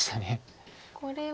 これは？